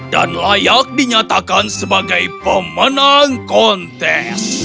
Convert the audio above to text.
dan layak dinyatakan sebagai pemenang konten